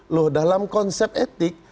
loh dalam konsep etik